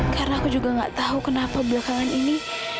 karena aku juga nggak tahu kenapa belakangan ini